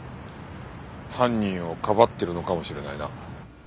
犯人をかばっているのかもしれないな。